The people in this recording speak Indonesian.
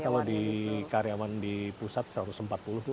kalau di karyawan di pusat satu ratus empat puluh tuh